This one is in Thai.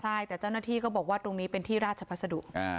ใช่แต่เจ้าหน้าที่ก็บอกว่าตรงนี้เป็นที่ราชพัสดุ